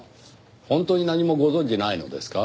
本当に何もご存じないのですか？